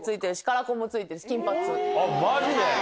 マジで？